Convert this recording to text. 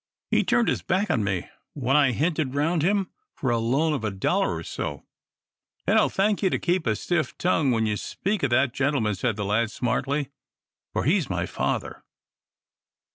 He turned his back on me when I hinted round him for the loan of a dollar or so." "And I'll thank you to keep a stiff tongue when you speak of that gentleman," said the lad, smartly, "for he's my father."